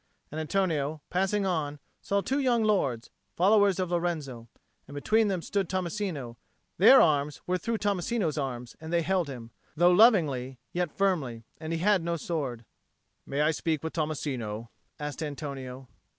And Antonio, passing on, saw two young lords, followers of Lorenzo. And between them stood Tommasino; their arms were through Tommasino's arms and they held him, though lovingly, yet firmly; and he had no sword. "May I speak with Tommasino?" asked Antonio.